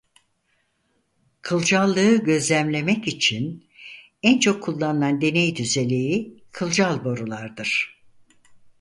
Kılcallığı gözlemlemek için en çok kullanılan deney düzeneği "kılcal boru"lardır.